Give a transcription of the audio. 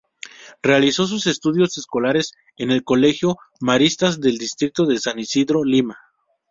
Realizó sus estudios escolares en el Colegio Maristas del distrito de San Isidro, Lima.